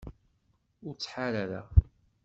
Ur ttḥar ara